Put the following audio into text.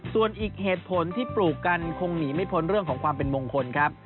ส่วนอีกเหตุผลที่ปลูกกันคงหนีไม่พ้นเรื่องของความเป็นมงคลครับ